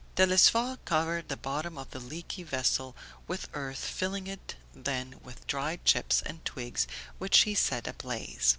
Telesphore covered the bottom of the leaky vessel with earth, filling it then with dry chips and twigs which he set ablaze.